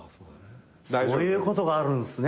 そういうことがあるんすね。